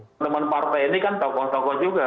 teman teman partai ini kan tokoh tokoh juga